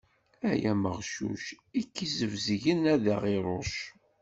Ay ameɣcuc, i k-isbezgen ad ɣ-iṛuc.